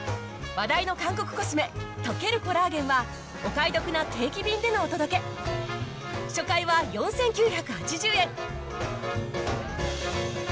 話題の韓国コスメとけるコラーゲンはお買い得な定期便でのお届け初回は４９８０円